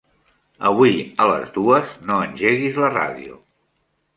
Avui a les dues no engeguis la ràdio.